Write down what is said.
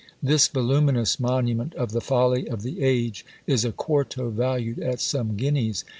This voluminous monument of the folly of the age is a quarto valued at some guineas!